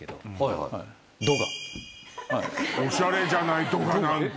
おしゃれじゃないドガなんて。